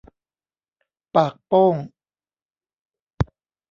ปากโป้ง